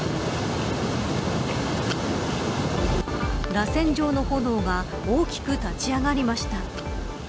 らせん状の炎が大きく立ち上がりました。